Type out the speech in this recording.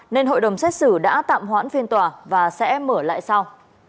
nên hội đồng xét xử đã tạm hoãn phiên tòa và sẽ mở lại sau